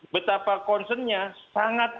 betapa konsennya sangat